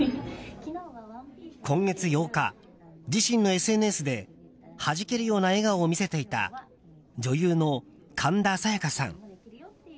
今月８日、自身のＳＮＳではじけるような笑顔を見せていた女優の神田沙也加さん。